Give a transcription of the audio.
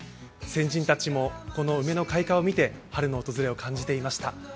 先人たちもこの梅の開花を見て春の訪れを感じていました。